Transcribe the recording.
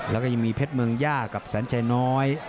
แล้วก็ยังมีเพชรเมืองย่ากับแสนชัยน้อย